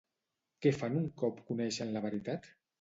Què fan un cop coneixen la veritat?